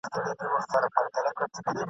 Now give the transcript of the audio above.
ټوټې ټوتې ښه یې ګرېوانه پر ما ښه لګیږي !.